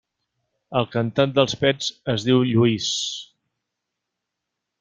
El cantant dels Pets es diu Lluís.